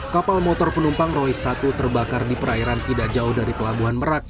kapal motor penumpang roy satu terbakar di perairan tidak jauh dari pelabuhan merak